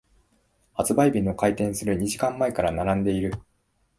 発売日の開店する二時間前から並んでいる。